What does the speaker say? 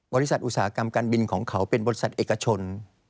อุตสาหกรรมการบินของเขาเป็นบริษัทเอกชน